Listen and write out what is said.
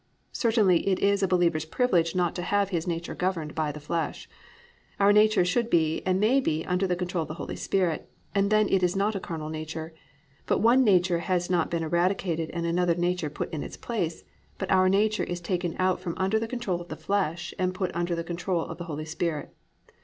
Certainly it is a believer's privilege not to have his nature governed by the flesh. Our nature should be and may be under the control of the Holy Spirit, and then it is not a carnal nature; but one nature has not been eradicated and another nature put in its place, but our nature is taken out from under the control of the flesh and put under the control of the Holy Spirit.